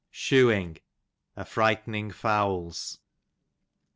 Shuing, a f Tightening fowls.